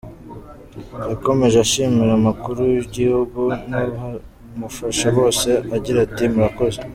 Yakomeje ashimira umukuru w’igihugu n’abamufasha bose agira ati :« Murakoze.